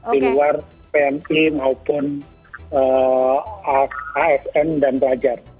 di luar pmi maupun asn dan pelajar